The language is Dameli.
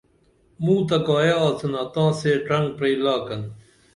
مُوں تہ کایہ آڅِنا تاں سے ڇھنگ پرئی لاکن